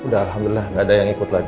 udah alhamdulillah gak ada yang ikut lagi